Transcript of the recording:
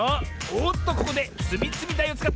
おっとここでつみつみだいをつかった！